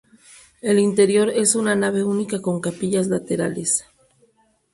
El interior es una nave única con capillas laterales.